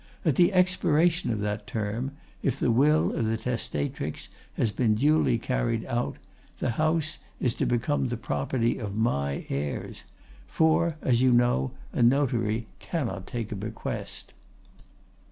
At the expiration of that term, if the will of the testatrix has been duly carried out, the house is to become the property of my heirs, for, as you know, a notary cannot take a bequest.